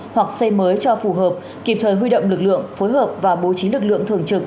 hoặc xây mới cho phù hợp kịp thời huy động lực lượng phối hợp và bố trí lực lượng thường trực